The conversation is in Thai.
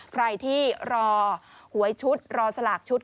ใครที่รอหวยชุดรอสลากชุด